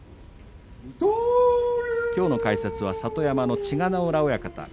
きょうの解説は里山の千賀ノ浦親方です。